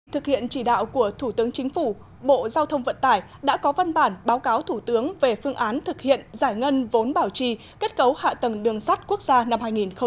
thực hiện chỉ đạo của thủ tướng chính phủ bộ giao thông vận tải đã có văn bản báo cáo thủ tướng về phương án thực hiện giải ngân vốn bảo trì kết cấu hạ tầng đường sắt quốc gia năm hai nghìn hai mươi